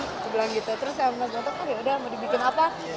aku bilang gitu terus mas bonto yaudah mau dibikin apa